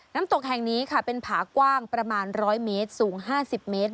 น้ำตกแห่งนี้ค่ะเป็นผากว้างประมาณ๑๐๐เมตรสูง๕๐เมตร